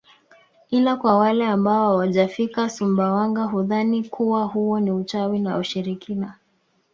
Ila kwa wale ambao hawajafika Sumbawanga hudhani kuwa huo ni uchawi na ushirikina